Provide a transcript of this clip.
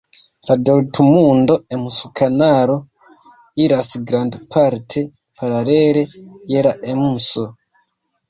La Dortmundo-Emsokanalo iras grandparte paralele je la Emso.